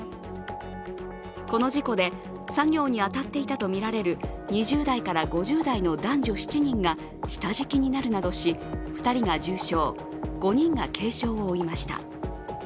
この事故で、作業に当たっていたとみられる２０代から５０代の男女７人が下敷きになるなどし、２人が重傷、５人が軽傷を負いました。